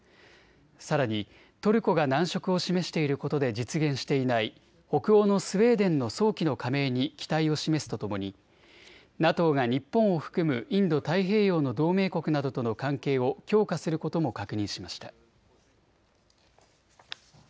さらにトルコが難色を示していることで実現していない北欧のスウェーデンの早期の加盟に期待を示すとともにＮＡＴＯが日本を含むインド太平洋の同盟国などとの関係を強化することも確認しました。